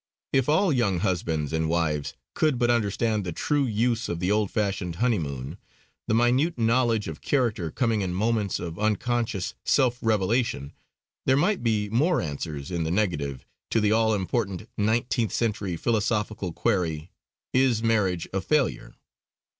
If all young husbands and wives could but understand the true use of the old fashioned honeymoon, the minute knowledge of character coming in moments of unconscious self revelation, there might be more answers in the negative to the all important nineteenth century philosophical query, "Is marriage a failure?"